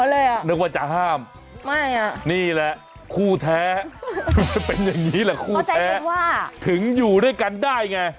อ้าวอ้าวนึกว่าจะห้ามนี่แหละคู่แท้เป็นอย่างนี้แหละคู่แท้ถึงอยู่ด้วยกันได้ไง